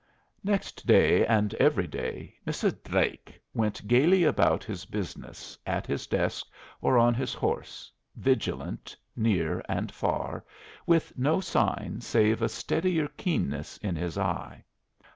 Next day and every day "Misser Dlake" went gayly about his business, at his desk or on his horse, vigilant, near and far, with no sign save a steadier keenness in his eye.